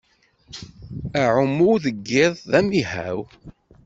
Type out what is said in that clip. Aɛummu deg iḍ d amihaw.